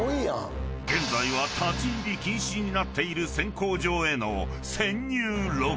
［現在は立入禁止になっている選鉱場への潜入ロケ］